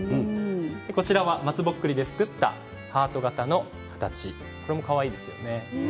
松ぼっくりで作ったハート形の形これもかわいいですね。